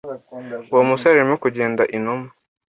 Uwo musore arimo kugenda inuma.